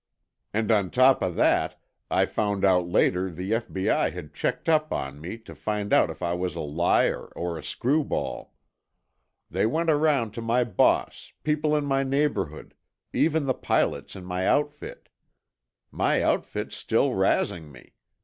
"And on top of that, I found out later the F.B.I. had checked up on me to find out if I was a liar or a screwball. They went around to my boss, people in my neighborhood—even the pilots in my outfit. My outfit's still razzing me.